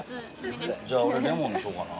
じゃ俺レモンにしようかな。